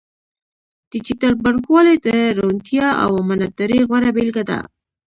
ډیجیټل بانکوالي د روڼتیا او امانتدارۍ غوره بیلګه ده.